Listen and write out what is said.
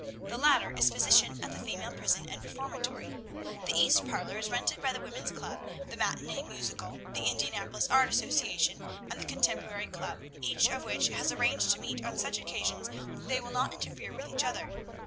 The latter is physician at the female prison and reformatory. "'The east parlor is rented by the Woman's Club, the Matinée Musicale, the Indianapolis Art Association, and the Contemporary Club, each of which has arranged to meet on such occasions that they will not interfere with each other.